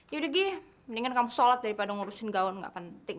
yaudah gih mendingan kamu sholat daripada ngurusin gaun gak penting